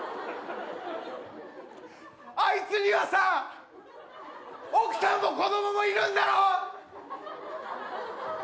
あいつにはさ奥さんも子供もいるんだろ！